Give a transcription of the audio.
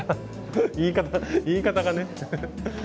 言い方言い方がね。